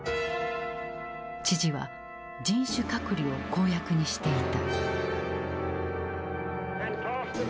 知事は人種隔離を公約にしていた。